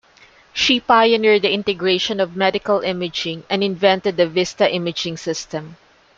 She pioneered the integration of Medical Imaging and invented the Vista Imaging System.